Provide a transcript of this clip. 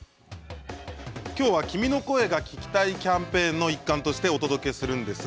きょうは「君の声が聴きたい」キャンペーンの一環としてお届けします。